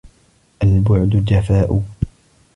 البعد جفاء